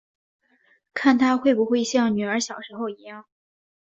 看她会不会像女儿小时候一样